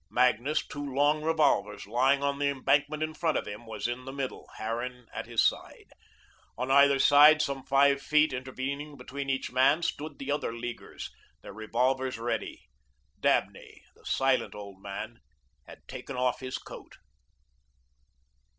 Magnus, two long revolvers lying on the embankment in front of him, was in the middle, Harran at his side. On either side, some five feet intervening between each man, stood the other Leaguers, their revolvers ready. Dabney, the silent old man, had taken off his coat.